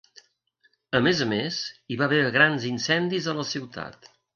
A més a més, hi va haver grans incendis a la ciutat.